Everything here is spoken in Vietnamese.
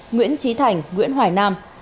nguyễn trí thành nguyễn hoài nam